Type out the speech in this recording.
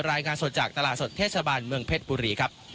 รายงานสดจากตลาดสดเทศบาลเมืองเพชรบุรีครับ